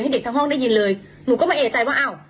เด็กทั้งห้องได้ยินเลยหนูก็มาเอกใจว่าอ้าว